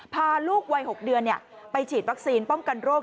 พาลูกวัย๖เดือนไปฉีดวัคซีนป้องกันโรค